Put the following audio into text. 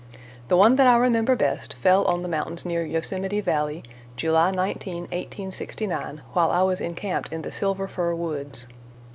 The one that I remember best fell on the mountains near Yosemite Valley, July 19, 1869, while I was encamped in the Silver Fir woods.